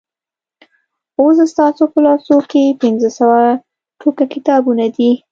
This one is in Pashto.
اوس ستاسو په لاسو کې پنځه سوه ټوکه کتابونه دي.